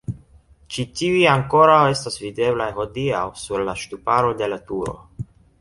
Ĉi tiuj ankoraŭ estas videblaj hodiaŭ sur la ŝtuparo de la turo.